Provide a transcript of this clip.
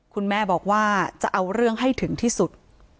คุณแม่บอกว่าจะเอาเรื่องให้ถึงที่สุด